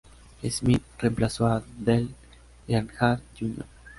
Smith reemplazó a Dale Earnhardt Jr.